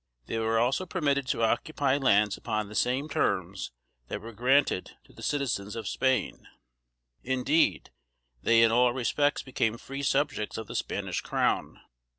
They were also permitted to occupy lands upon the same terms that were granted to the citizens of Spain; indeed, they in all respects became free subjects of the Spanish crown.